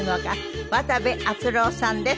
渡部篤郎さんです。